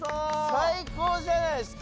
最高じゃないですか。